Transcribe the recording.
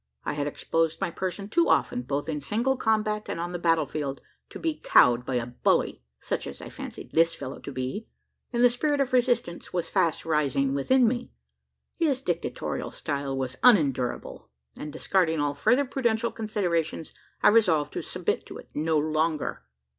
I had exposed my person too often, both in single combat and on the battle field, to be cowed by a bully such as I fancied this fellow to be and the spirit of resistance was fast rising within me. His dictatorial style was unendurable; and discarding all further prudential considerations, I resolved to submit to it no longer.